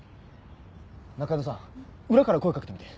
仲井戸さん裏から声かけてみて。